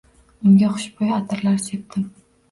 Unga xushboʻy atirlar sepdim.